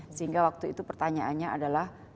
sehingga waktu itu pertanyaannya adalah